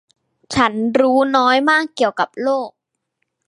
ฉันรู้น้อยมากเกี่ยวกับโลก !